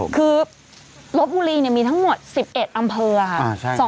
คือลบบุรีมีทั้งหมด๑๑อำเภอค่ะ